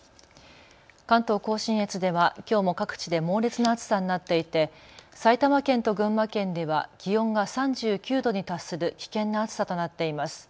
関東甲信越ではきょうも各地で猛烈な暑さになっていて埼玉県と群馬県では気温が３９度に達する危険な暑さとなっています。